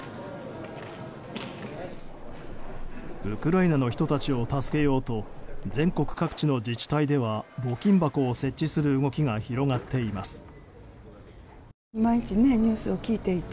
ウクライナの人たちを助けようと全国各地の自治体では募金箱を設置する動きが広がっています。